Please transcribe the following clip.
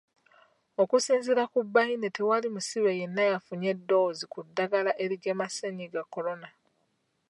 Okusinziira ku Baine tewali musibe yenna yafunye ddoozi ku ddagala erigema Ssennyiga Corona.